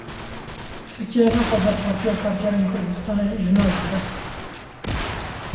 Tirkiye naxwaze Partiya Karkerên Kurdistanê ji nav bibe!